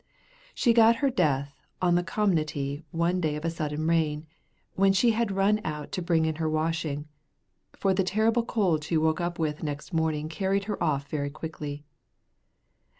She got her death on the commonty one day of sudden rain, when she had run out to bring in her washing, for the terrible cold she woke with next morning carried her off very quickly.